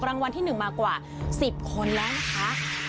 รางวัลที่๑มากว่า๑๐คนแล้วนะคะ